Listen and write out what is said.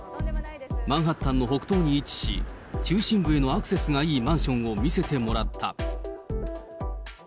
マンハッタンの北東に位置し、中心部へのアクセスがいいマンションを見せてもらった。